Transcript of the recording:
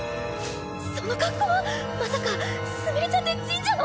その格好まさかすみれちゃんって神社の。